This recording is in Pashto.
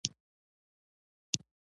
خو د کاک پخېدل مې ليدلي دي.